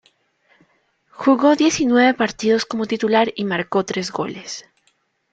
Jugó diecinueve partidos como titular y marcó tres goles.